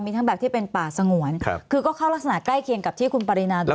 มีทั้งแบบที่เป็นป่าสงวนคือก็เข้ารักษณะใกล้เคียงกับที่คุณปรินาดู